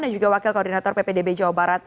dan juga wakil koordinator ppdb jawa barat